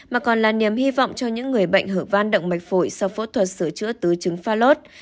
mà còn là niềm hy vọng cho những người bệnh hở văn động mạch phổi sau phẫu thuật sửa chữa tứ trứng pha lốt